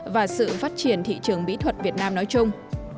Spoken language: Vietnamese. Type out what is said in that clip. và sự phát triển thị trường mỹ thuật việt nam nói chung